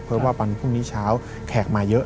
เพราะว่าวันพรุ่งนี้เช้าแขกมาเยอะ